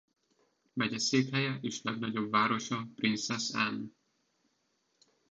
Megyeszékhelye és legnagyobb városa Princess Anne.